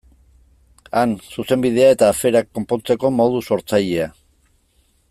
Han, Zuzenbidea eta aferak konpontzeko modu sortzailea.